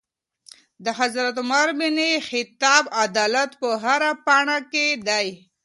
د حضرت عمر بن خطاب عدالت په هره پاڼې کي دی.